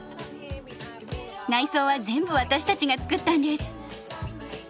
内装は全部私たちが作ったんです。